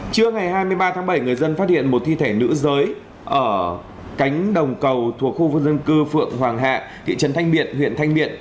trưa ngày hai mươi ba tháng bảy người dân phát hiện một thi thể nữ giới ở cánh đồng cầu thuộc khu vực dân cư phượng hoàng hạ thị trấn thanh miện huyện thanh miện